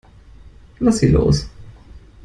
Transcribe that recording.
Lass sie los.